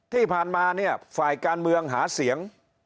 ที่ผ่านมาเนี่ยฝ่ายการเมืองหาเสียง